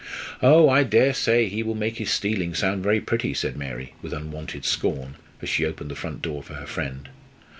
"Oh! I dare say he will make his stealing sound very pretty," said Mary, with unwonted scorn, as she opened the front door for her friend.